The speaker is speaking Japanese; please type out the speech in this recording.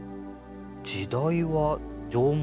時代は縄文？